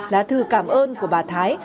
lá thư cảm ơn của bà thái